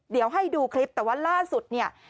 เดี๋ยวให้ดูคลิปแต่ว่าล่าสุดเนี่ย